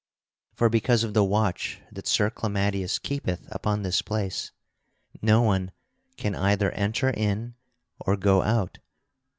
For because of the watch that Sir Clamadius keepeth upon this place, no one can either enter in or go out.